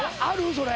それ。